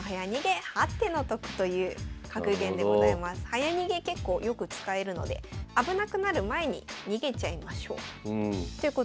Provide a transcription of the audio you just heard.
早逃げ結構よく使えるので危なくなる前に逃げちゃいましょうということで。